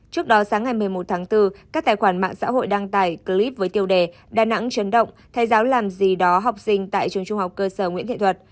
trước đó sáng ngày một mươi một tháng bốn các tài khoản mạng xã hội đăng tải clip với tiêu đề đà nẵng chấn động thay giáo làm gì đó học sinh tại trường trung học cơ sở nguyễn nghệ thuật